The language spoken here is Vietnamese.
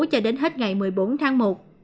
cho đến hết ngày một mươi bốn tháng một